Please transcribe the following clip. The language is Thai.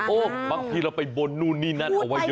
บางทีเราไปบนนู่นนี่นั่นเอาไว้เยอะ